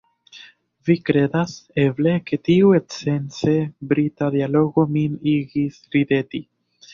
Vi kredas, eble, ke tiu esence Brita dialogo min igis rideti?